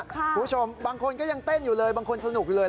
คุณผู้ชมบางคนก็ยังเต้นอยู่เลยบางคนสนุกอยู่เลย